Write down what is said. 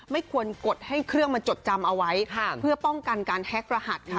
ไม่ควรกดให้เครื่องมาจดจำเอาไว้เพื่อป้องกันการแฮกรหัสค่ะ